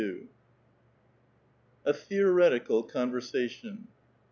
XXII. A THEORETICAL CONVERSATION.